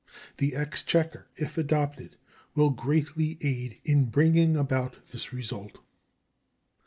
The exchequer, if adopted, will greatly aid in bringing about this result.